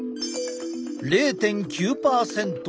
０．９％。